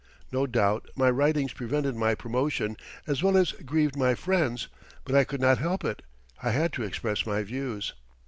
No doubt my writings prevented my promotion, as well as grieved my friends, but I could not help it. I had to express my views."